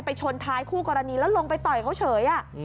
ชนท้ายคู่กรณีแล้วลงไปต่อยเขาเฉย